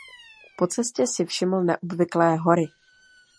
Po cestě si všiml neobvyklé hory.